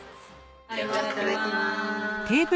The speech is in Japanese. いただきます。